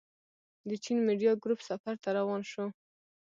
د چين ميډيا ګروپ سفر ته روان شوو.